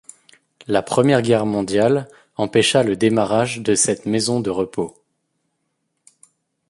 La Première Guerre mondiale empêcha le démarrage de cette maison de repos.